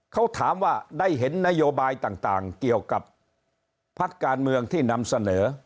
เขาถามว่าได้เห็นนโยบายต่างเกี่ยวกับพักการเมืองที่นำเสนอ